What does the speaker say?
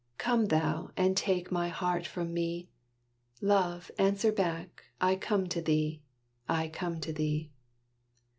Come thou, and take my heart from me. Love, answer back, I come to thee, I come to thee.